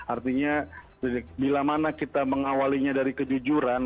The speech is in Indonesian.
artinya bila mana kita mengawalinya dari kejujuran